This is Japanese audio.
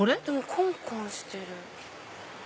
コンコンしてる。